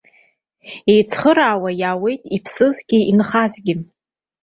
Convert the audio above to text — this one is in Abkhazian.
Иеицхыраауа иааиуеит иԥсызгьы инхазгьы.